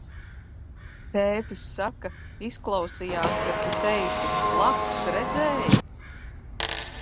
Tētis saka: izklausījās, ka Tu teici: laps redzēj?